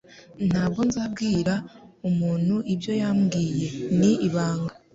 Ntabwo nzabwira umuntu ibyo yambwiye. Ni ibanga.